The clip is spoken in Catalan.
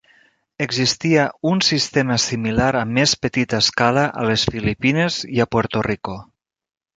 Existia un sistema similar a més petita escala a les Filipines i a Puerto Rico.